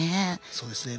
そうですね。